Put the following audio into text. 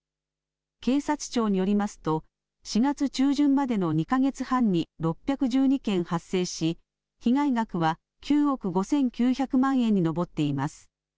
警察庁によりますと４月中旬までの２か月半に６１２件発生し、被害額は９億５９００万円に上っています。